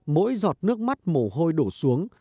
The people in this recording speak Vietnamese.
mỗi giọt nước mắt mồ hôi đổ xuống